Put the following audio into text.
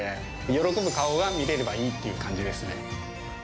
喜ぶ顔が見れればいいっていう感じですね。